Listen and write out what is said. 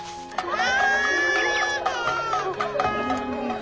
あ。